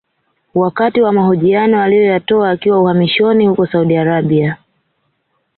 Wakati wa mahojiano aliyotoa akiwa uhamishoni huko Saudi Arabia